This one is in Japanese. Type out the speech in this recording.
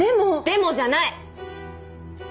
でもじゃない！